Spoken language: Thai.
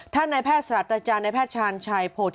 ท่านนายแพทย์ศรัทร์อจารย์นะครับ